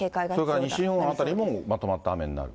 それから西日本辺りもまとまった雨になる？